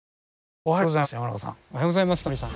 おはようございます山中さん。